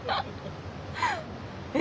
え